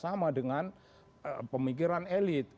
sama dengan pemikiran elit